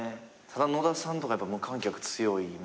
ただ野田さんとか無観客強い。